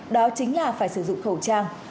đó chính là phải sử dụng khẩu trang